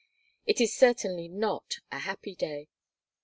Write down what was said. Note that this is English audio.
"It is certainly not a happy day.